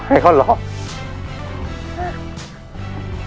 ไปถึงบ้านเขา